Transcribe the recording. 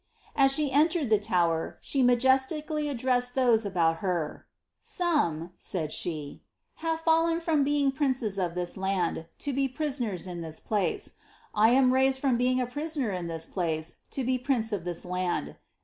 As she entered the Tower, she majestically addressed those aboot her. ^ Some,^ said she, ^ hsTC fidlen from being princes of this land, to be prisoners in this i^ce ; I am raised from being prisoner in this place to be prince of this land.